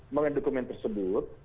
mengenai dokumen tersebut